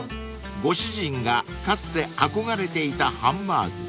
［ご主人がかつて憧れていたハンバーグ］